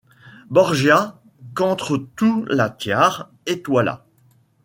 Borgia qu’entre tous la tiare étoila